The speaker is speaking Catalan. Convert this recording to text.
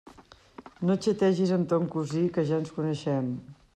No xategis amb ton cosí, que ja ens coneixem!